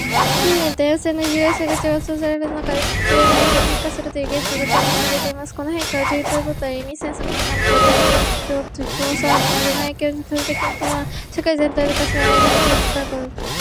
近年、多様性の重要性が強調される中で、白人がマイノリティ化するという現象が注目されています。この変化は、人口動態や移民政策、文化の交流など複数の要因によって引き起こされていますが、その影響は単に数的な変化にとどまらず、社会全体の価値観やアイデンティティに深く影響を及ぼす可能性があります。